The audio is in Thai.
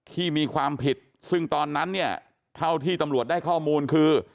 ที่มีความผิดซึ่งตอนนั้นเนี่ยเท่าที่ตำรวจได้ข้อมูลคือ